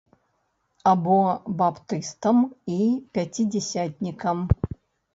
Або баптыстам і пяцідзясятнікам.